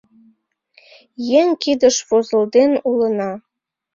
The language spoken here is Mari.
Еҥ кидыш возылден улына.